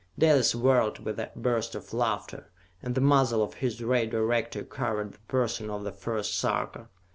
Dalis whirled, with a burst of laughter, and the muzzle of his Ray Director covered the person of the First Sarka.